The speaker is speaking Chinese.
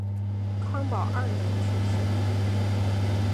康保二年去世。